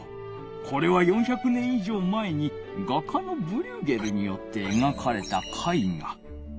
これは４００年いじょう前に画家のブリューゲルによってえがかれた絵画。